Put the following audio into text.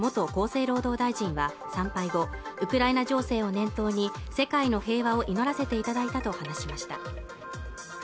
生労働大臣は参拝後ウクライナ情勢を念頭に世界の平和を祈らせていただいたと話しました